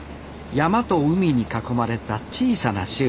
山と海に囲まれた小さな集落。